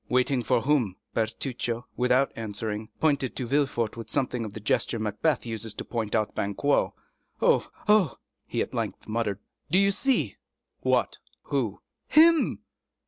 "Waiting for whom?" Bertuccio, without answering, pointed to Villefort with something of the gesture Macbeth uses to point out Banquo. "Oh, oh!" he at length muttered, "do you see?" "What? Who?" "Him!"